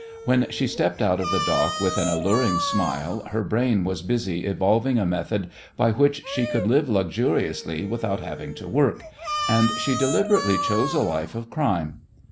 When she stepped out of the dock with an alluring smile her brain was busy evolving a method by which she could live luxuriously without having to work, and she deliberately chose a life of crime.